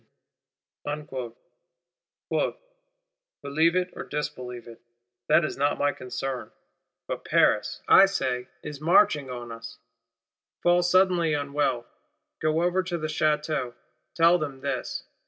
'—'Believe it or disbelieve it, that is not my concern; but Paris, I say, is marching on us. Fall suddenly unwell; go over to the Château; tell them this.